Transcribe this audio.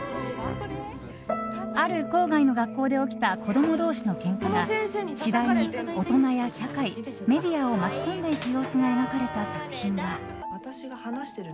ある郊外の学校で起きた子供同士のけんかが次第に大人や社会、メディアを巻き込んでいく様子が描かれた作品だ。